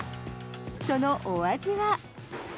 そのお味は？